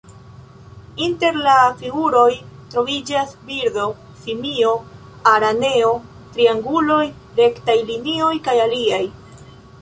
Inter la figuroj troviĝas birdo, simio, araneo, trianguloj, rektaj linioj kaj aliaj.